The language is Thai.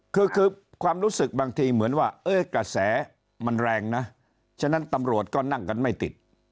คือความรู้สึกบางทีเหมือนว่ากระแสมันแรงนะฉะนั้นตำรวจก็นั่งกันไม่ติด